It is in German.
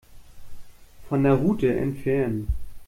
Von der Route entfernen.